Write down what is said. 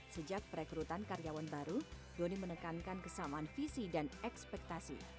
sejak perekrutan karyawan baru doni menekankan kesamaan visi dan ekspektasi